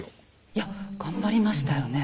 いや頑張りましたよね？